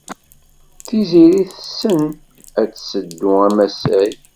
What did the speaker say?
Tiziri tessen ad tesseddu amsasay.